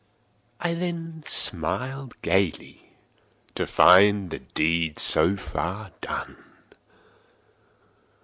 I then smiled gaily, to find the deed so far done.